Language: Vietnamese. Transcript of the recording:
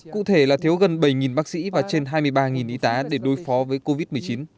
cụ thể là thiếu gần bảy bác sĩ và trên hai mươi ba y tá để đối phó với covid một mươi chín